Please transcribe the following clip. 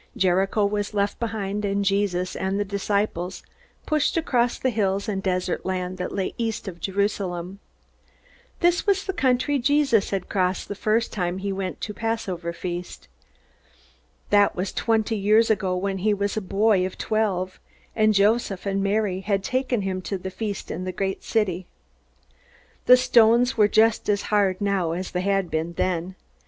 Jericho was left behind, and Jesus and the disciples pushed across the hills and desert land that lay east of Jerusalem. This was the country Jesus had crossed the first time he went to the Passover feast. That was twenty years ago, when he was a boy of twelve, and Joseph and Mary had taken him to the feast in the great city. The stones were just as hard now as they had been then.